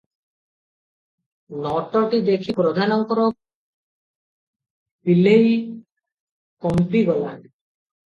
ନୋଟଟି ଦେଖି ପ୍ରଧାନଙ୍କର ପିହ୍ଳେଇ କମ୍ପିଗଲା ।